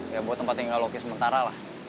ya buat tempat tinggal loki sementara lah